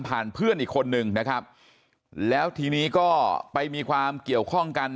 เพื่อนอีกคนนึงนะครับแล้วทีนี้ก็ไปมีความเกี่ยวข้องกัน